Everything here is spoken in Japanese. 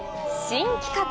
新企画！